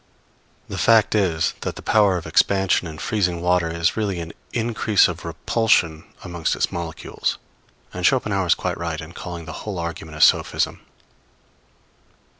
The fact is, that the power of expansion in freezing water is really an increase of repulsion amongst its molecules; and Schopenhauer is quite right in calling the whole argument a sophism.